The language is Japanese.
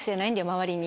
周りに。